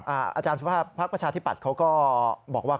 อาจารย์สุภาพภักดิ์ประชาธิปัตย์เขาก็บอกว่า